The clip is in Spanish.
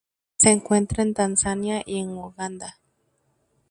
Se encuentra en Tanzania y en Uganda.